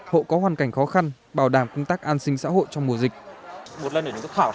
hộ có hoàn cảnh khó khăn bảo đảm công tác an sinh xã hội trong mùa dịch